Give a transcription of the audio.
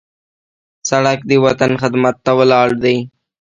سړک د وطن خدمت ته ولاړ دی.